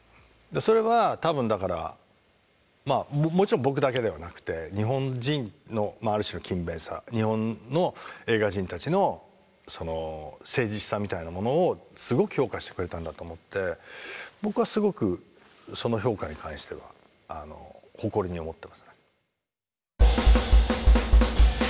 それは多分だからまあもちろん僕だけではなくて日本人のまあある種の勤勉さ日本の映画人たちの誠実さみたいなものをすごく評価してくれたんだと思って僕はすごくその評価に関しては誇りに思ってますね。